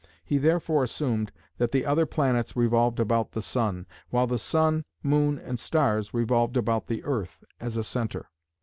He therefore assumed that the other planets revolved about the sun, while the sun, moon, and stars revolved about the earth as a centre.